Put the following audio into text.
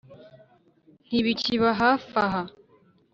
ntibikiba hafi aha